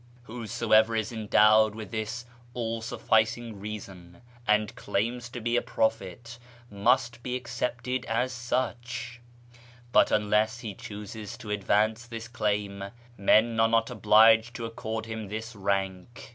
Whosoever is endowed with this " All sufficing Eeason," and claims to be a prophet, must be accepted as such ; but unless he chooses to advance this claim, men are not obliged to accord him this rank.